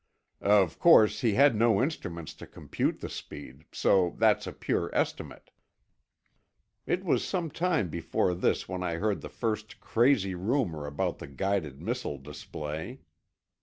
"Of course, he had no instruments to compute the speed, so that's a pure estimate." It was some time before this when I heard the first crazy rumor about the guided missile display.